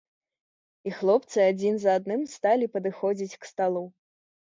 І хлопцы адзін за адным сталі падыходзіць к сталу.